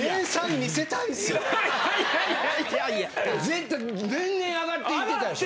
絶対年々上がっていってたでしょ？